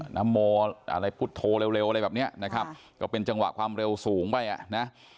น้ำโมอะไรพุทธโทเร็วอะไรแบบเนี้ยนะครับก็เป็นจังหวะความเร็วสูงไปอ่ะนะ